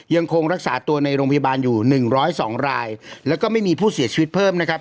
ยังคงรักษาตัวในโรงพยาบาลอยู่หนึ่งร้อยสองรายแล้วก็ไม่มีผู้เสียชีวิตเพิ่มนะครับ